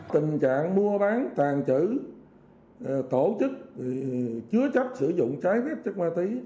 tình trạng mua bán tàn trữ tổ chức chứa chấp sử dụng trái phép chất ma túy